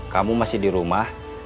kamu masih di rumah